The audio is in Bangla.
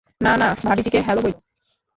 না না, ভাবীজিকে হ্যালো বইলো।